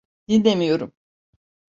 Dinlemiyorum.